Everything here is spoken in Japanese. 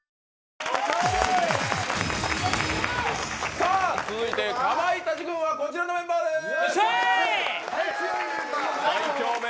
さあ続いて、かまいたち軍はこちらのメンバーで強いメンバー。